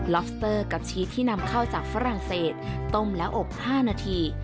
อฟสเตอร์กับชีสที่นำเข้าจากฝรั่งเศสต้มแล้วอบ๕นาที